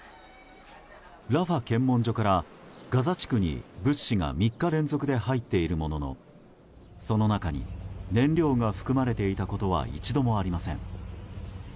ラファ検問所からガザ地区に物資が３日連続で入っているもののその中に燃料が含まれていたことは一度もありません。